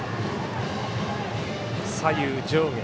左右上下。